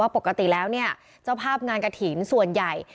ว่าปกติแล้วเจ้าภาพงานกะถีนส่วนใหญ่